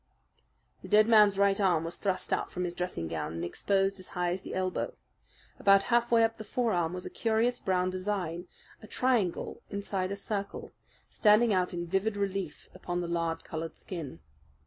The dead man's right arm was thrust out from his dressing gown, and exposed as high as the elbow. About halfway up the forearm was a curious brown design, a triangle inside a circle, standing out in vivid relief upon the lard coloured skin.